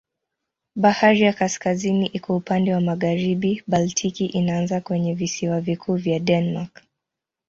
Bahari ya Kaskazini iko upande wa magharibi, Baltiki inaanza kwenye visiwa vikuu vya Denmark.